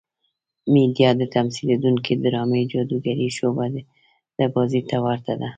میډیا د تمثیلېدونکې ډرامې جادوګرې شعبده بازۍ ته ورته ده.